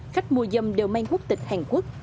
khách mua dâm đều mang quốc tịch hàn quốc